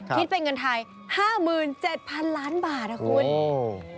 คิดเป็นเงินไทย๕๗๐๐ล้านบาทนะคุณ